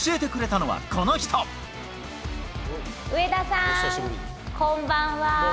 上田さん、こんばんは。